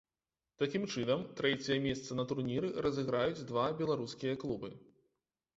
Такім чынам, трэцяе месца на турніры разыграюць два беларускія клубы.